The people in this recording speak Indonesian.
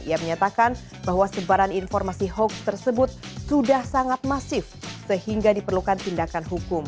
ia menyatakan bahwa sebaran informasi hoax tersebut sudah sangat masif sehingga diperlukan tindakan hukum